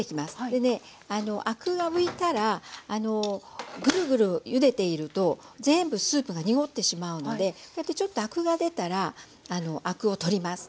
でねアクが浮いたらぐるぐるゆでていると全部スープが濁ってしまうのでこうやってちょっとアクが出たらアクを取ります。